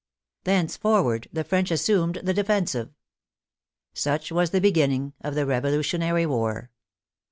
Thenceforward, the French assumed the defensive. Such was the beginning of the Revolutionary War.